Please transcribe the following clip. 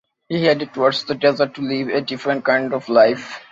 He headed towards the desert to live a different kind of life.